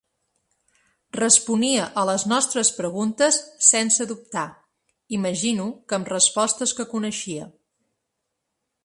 Responia a les nostres preguntes sense dubtar, imagino que amb respostes que coneixia.